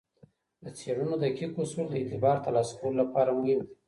د څیړنو دقیق اصول د اعتبار ترلاسه کولو لپاره مهم دي.